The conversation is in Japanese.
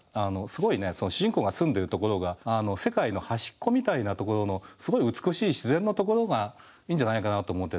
すごいねその主人公が住んでるところが世界の端っこみたいなところのすごい美しい自然のところがいいんじゃないかなと思って